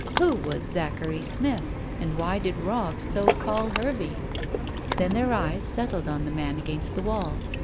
Who was Zachary Smith? And why did Robb so call Hervey? Then their eyes settled on the man against the wall.